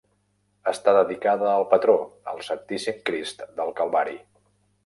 Està dedicada al patró, el Santíssim Crist del Calvari.